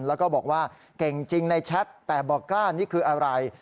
แล้วก็บอกว่าเก่งจริงในแชทแต่บอกกล้านี่คืออะไร